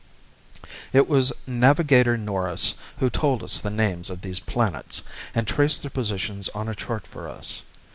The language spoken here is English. It was Navigator Norris who told us the names of these planets and traced their positions on a chart for us.